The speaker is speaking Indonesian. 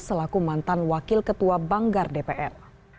selaku mantan wakil ketua banggar dpr